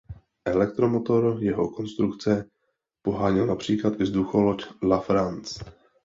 Elektromotor jeho konstrukce poháněl například i vzducholoď La France.